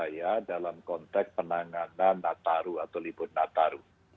saya menurut saya dalam konteks penanganan nataru atau libur nataru